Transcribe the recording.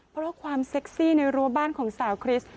เพราะว่าความเซ็กซี่ในรั้วบ้านของสาวคริสต์